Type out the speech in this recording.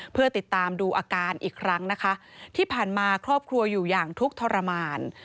เพื่อติดตามดูอาการอีกครั้งนะคะที่ผ่านมาครอบครัวอยู่อย่างทุกข์ทรมาน